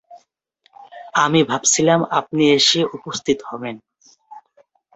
আমি ভাবছিলাম আপনি এসে উপস্থিত হবেন।